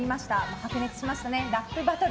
白熱しましたねラップバトル。